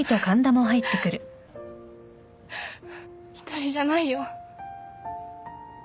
１人じゃないよ。